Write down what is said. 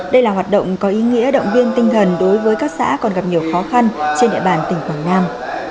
đây là hoạt động có ý nghĩa động viên tinh thần đối với các xã còn gặp nhiều khó khăn trên địa bàn tỉnh quảng nam